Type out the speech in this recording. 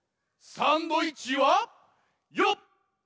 サンドイッチはよっ！